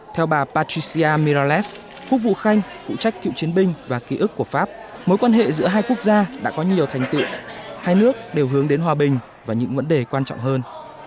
theo bà patricia mirales khu vụ khanh phụ trách cựu chiến binh và ký ức của pháp mối quan hệ giữa hai quốc gia đã có nhiều thành tựu hai nước đều hướng đến hòa bình và những vấn đề quan trọng hơn